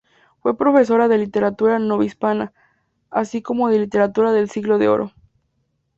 Fue profesora de literatura novohispana, así como de literatura del Siglo de Oro.